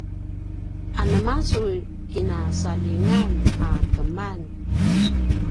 anema su kina saljinga a keman?